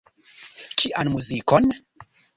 Kian muzikon?